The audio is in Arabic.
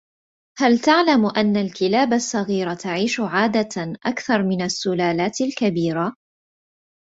هل تعلم أن الكلاب الصغيرة تعيش عادة أكثر من السلالات الكبيرة.